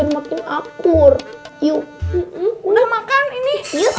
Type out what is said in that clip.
makin akur yuk udah makan ini